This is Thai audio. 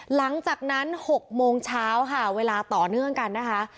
หลังจากนั้น๖โมงเช้าค่ะเวลาต่อเนื่องกันนะคะ